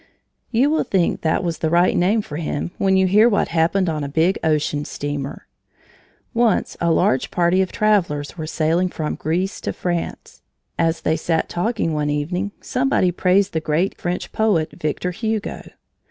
You will think that was the right name for him, when you hear what happened on a big ocean steamer. Once a large party of travelers were sailing from Greece to France. As they sat talking one evening, somebody praised the great French poet, Victor Hugo.